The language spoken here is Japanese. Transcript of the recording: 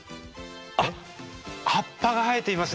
あっ葉っぱが生えていますね。